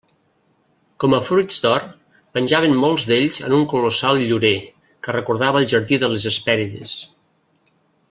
Com a fruits d'or, penjaven molts d'ells en un colossal llorer, que recordava el Jardí de les Hespèrides.